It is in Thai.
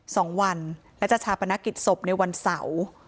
สองวันและจะชาปนกิจศพในวันเสาร์